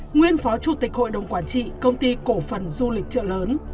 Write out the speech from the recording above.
nguyên phó chủ tịch hội đồng quản trị công ty cổ phần du lịch trợ lớn